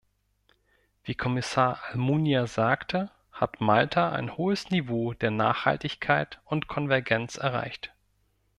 Wie Kommissar Almunia sagte, hat Malta ein hohes Niveau der Nachhaltigkeit und Konvergenz erreicht.